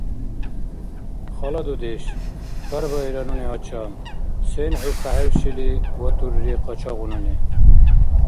— Хала дудеш, — хьарбаира нуни гьачам, — сен хӀу кахӀевшили ватурри къачагъунани?